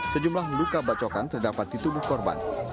sejumlah luka bacokan terdapat di tubuh korban